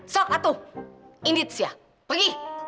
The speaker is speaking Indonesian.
sok atuh indit sia pergi